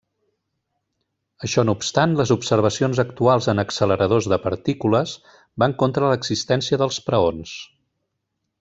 Això no obstant, les observacions actuals en acceleradors de partícules van contra l'existència dels preons.